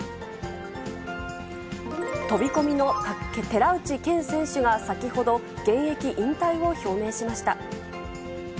飛び込みの寺内健選手が先ほど、現役引退を表明しました。